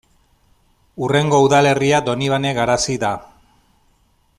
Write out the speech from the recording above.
Hurrengo udalerria Donibane Garazi da.